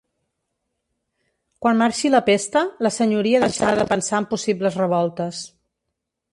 Quan marxi la pesta, la Senyoria deixarà de pensar en possibles revoltes.